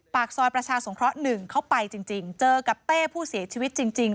ปากซอยประชาสงเคราะห์๑เขาไปจริงเจอกับเต้ผู้เสียชีวิตจริง